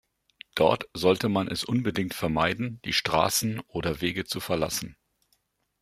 Dort sollte man es unbedingt vermeiden, die Straßen oder Wege zu verlassen.